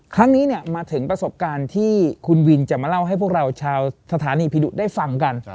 ครั้งนี้มาถึงประสบการณ์ที่คุณวินจะมาเล่าให้พวกเราชาวสถานีผีดุได้ฟังกัน